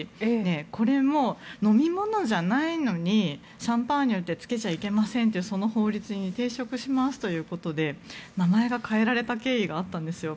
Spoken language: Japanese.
これも飲み物じゃないのにシャンパーニュってつけちゃいけませんというその法律に抵触しますということで名前が変えられた経緯があったんですよ。